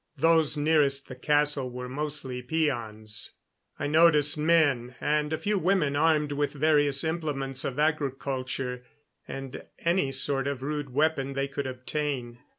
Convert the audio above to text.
Those nearest the castle were mostly peons. I noticed men and a few women armed with various implements of agriculture, and any sort of rude weapon they could obtain.